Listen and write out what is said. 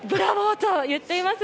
と言っています。